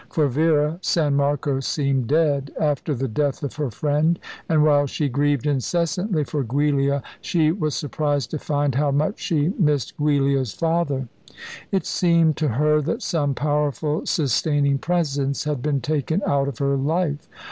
For Vera San Marco seemed dead after the death of her friend; and, while she grieved incessantly for Giulia, she was surprised to find how much she missed Giulia's father. It seemed to her that some powerful sustaining presence had been taken out of her life.